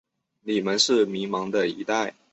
你们是迷惘的一代。